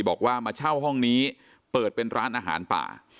บอกว่ามาเช่าห้องนี้เปิดเป็นร้านอาหารป่า